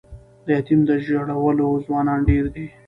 د یتیم د ژړولو ځوانان ډیر دي